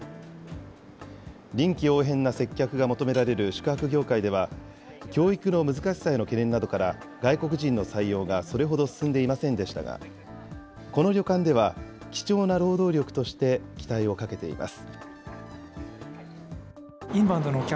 臨機応変な接客が求められる宿泊業界では、教育の難しさへの懸念などから外国人の採用がそれほど進んでいませんでしたが、この旅館では貴重な労働力として期待を懸けています。